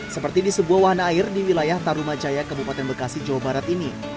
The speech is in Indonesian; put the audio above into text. seperti di sebuah wahana air di wilayah tarumajaya kabupaten bekasi jawa barat ini